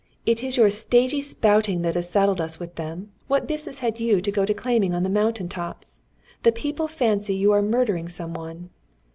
"It is your stagey spouting that has saddled us with them. What business had you to go declaiming on the mountain tops? The people fancy you are murdering some one."